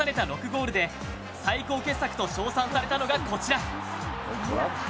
６ゴールで最高傑作と称賛されたのがこちら。